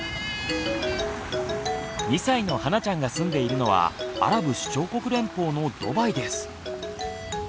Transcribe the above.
２歳のはなちゃんが住んでいるのはアラブ首長国連邦のドバイです。